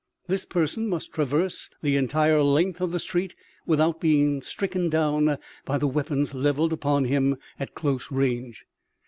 This person must traverse the entire length of the street, without being stricken down by the weapons levelled upon him at close range.